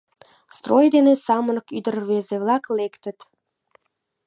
Строй дене самырык ӱдыр-рвезе-влак лектыт.